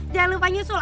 jangan lupa nyusul